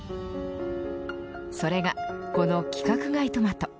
それが、この規格外トマト。